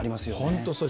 本当そう。